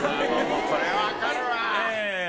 これはわかるわ。